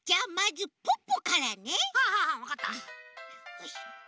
よいしょ。